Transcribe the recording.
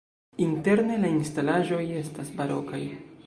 Interne la instalaĵoj estas barokaj.